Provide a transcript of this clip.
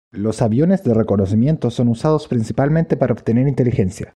Los aviones de reconocimiento son usados principalmente para obtener inteligencia.